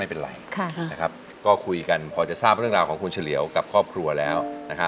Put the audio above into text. พอจะทราบเรื่องของคุณฉลี่วกับครอบครัวแล้ว